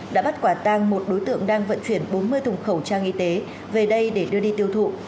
đã bắt quả tang một đối tượng đang vận chuyển bốn mươi thùng khẩu trang y tế về đây để đưa đi tiêu thụ